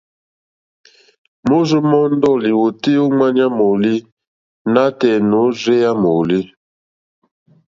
Môrzô mɔ́ɔ́ndɔ̀ lìwòtéyá ô ŋwáɲá mòòlî nátɛ̀ɛ̀ nôrzéyá mòòlí.